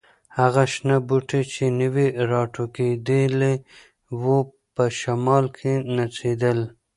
هغه شنه بوټي چې نوي راټوکېدلي وو، په شمال کې نڅېدل.